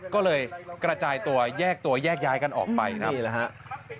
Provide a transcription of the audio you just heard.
ก็เลยกระจายตัวแยกตัวแยกย้ายกันออกไปนะครับ